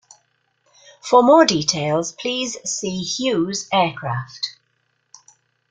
For more details, please see Hughes Aircraft.